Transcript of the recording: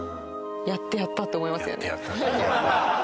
やってやったと思いますよね。